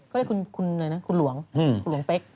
ก็เรียกคุณหน่อยนะคุณหลวงหลวงเป๊ก